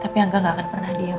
tapi angga gak akan pernah diam